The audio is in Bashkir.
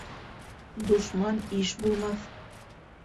Дошман иш булмаҫ